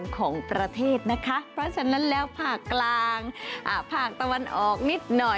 ของประเทศนะคะเพราะฉะนั้นแล้วภาคกลางภาคตะวันออกนิดหน่อย